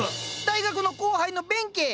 大学の後輩の弁慶！